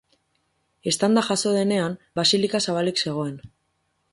Eztanda jazo denean basilika zabalik zegoen.